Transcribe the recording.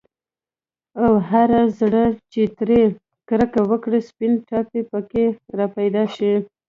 او هر زړه چي ترې كركه وكړي، سپين ټاپى په كي راپيدا شي